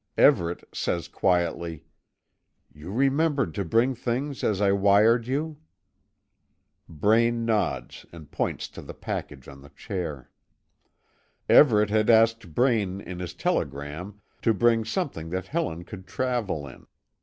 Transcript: Everet says quietly: "You remembered to bring things as I wired you?" Braine nods and points to the package on the chair. Everet had asked Braine in his telegram to bring something that Helen could travel in.